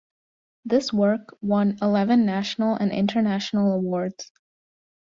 This work won eleven national and international awards.